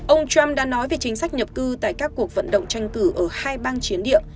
ông trump đã nói về chính sách nhập cư tại các cuộc vận động tranh cử ở hai bang chiến địa